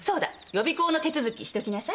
予備校の手続きしときなさい。